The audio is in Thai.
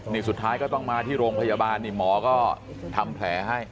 นี่สุดท้ายก็ต้องมาที่โรงพยาบาลนี่หมอก็ทำแผลให้